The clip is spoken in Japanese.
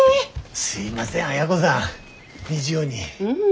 すいません亜哉子さん